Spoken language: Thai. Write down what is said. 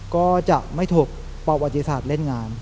ก็จะไม่ถกประวัติศาสตร์เล่นงาน